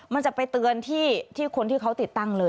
มันจะไปเตือนที่คนที่เขาติดตั้งเลย